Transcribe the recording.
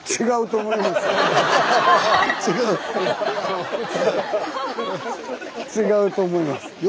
違うと思います。